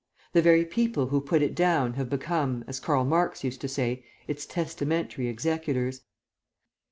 The very people who put it down have become, as Karl Marx used to say, its testamentary executors.